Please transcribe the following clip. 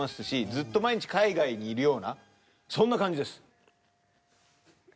ずっと毎日海外にいるようなそんな感じです。